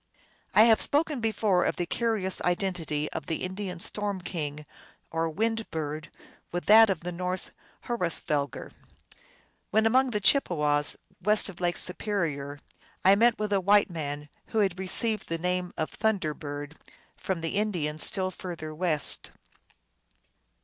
I have spoken before of the curious identity of the Indian storm king, or Wind Bird, with that of the Norse Hrosvelgar. When among the Chippewas, west of Lake Superior, I met with a white man who had received the name of Thunder Bird from the Indians still further west.